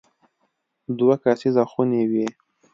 دوه کسیزه خونې وې.